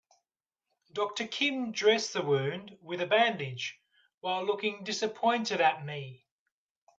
Doctor Kim dressed the wound with a bandage while looking disappointed at me.